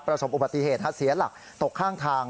ประสบอุบัติเหตุเสียหลักตกข้างทาง